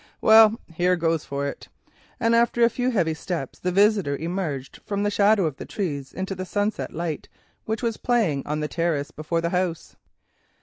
Well, here goes for it," and after a few heavy steps his visitor emerged from the shadow of the trees into the sunset light which was playing on the terrace before the house.